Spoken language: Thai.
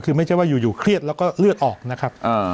คือไม่ใช่ว่าอยู่เครียดแล้วก็เลือดออกนะครับ